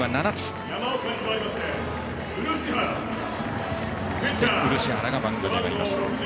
ピッチャーの漆原がマウンドに上がります。